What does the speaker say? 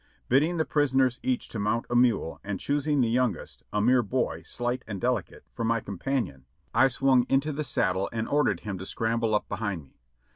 Bidding the prisoners each to mount a mule, and choosing the youngest, a mere boy, slight and delicate looking, for my com panion, I swung into the saddle and ordered him to scramble up behind me.